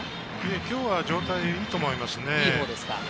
今日は状態がいいと思いますね。